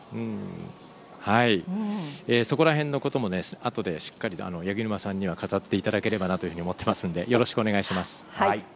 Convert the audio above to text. そこら辺のこともあとでしっかりと八木沼さんには語っていただければと思っていますのでよろしくお願いします。